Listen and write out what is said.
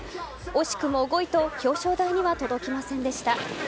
惜しくも５位と表彰台には届きませんでした。